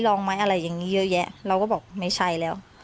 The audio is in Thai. ลองไหมอะไรอย่างนี้เยอะแยะเราก็บอกไม่ใช่แล้ว